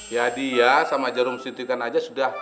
ya dia sama jarum suntikan aja sudah